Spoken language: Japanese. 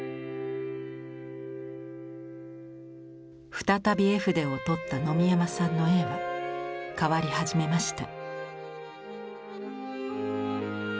再び絵筆をとった野見山さんの絵は変わり始めました。